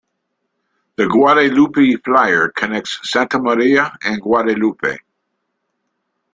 The Guadalupe Flyer connects Santa Maria and Guadalupe.